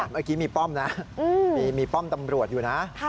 เมื่อกี้มีป้อมนะมีป้อมตำรวจอยู่นะ